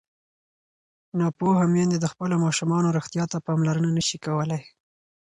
ناپوهه میندې د خپلو ماشومانو روغتیا ته پاملرنه نه شي کولی.